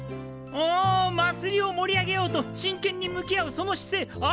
おおまつりを盛り上げようとしんけんに向き合うその姿勢あっぱれ！